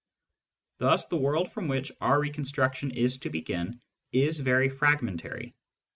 Thus the world from which our reconstruction is to begin is very fragmentary.